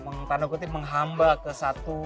mengtanda kutip menghamba ke satu